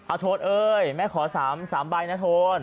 อาวุธโทนเอิ้ยแม่ขอ๓ใบนะโทน